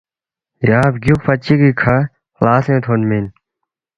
یا بگیوکفہ چیگی کھا نا خلاسینگ تھونمن۔